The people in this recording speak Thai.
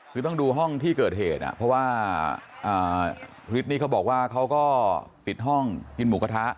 คือต้องดูห้องที่เกิดเหตุเพราะว่าฤทธินี่เขาบอกว่าเขาก็ปิดห้องกินหมูกระทะ